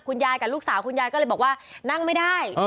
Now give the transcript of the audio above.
ยายกับลูกสาวคุณยายก็เลยบอกว่านั่งไม่ได้